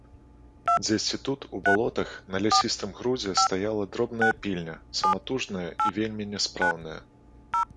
Дзесьці тут, у балотах, на лясістым грудзе стаяла дробная пільня, саматужная і вельмі няспраўная.